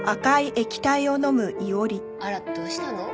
あらどうしたの？